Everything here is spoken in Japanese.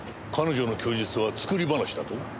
彼女の供述は作り話だと？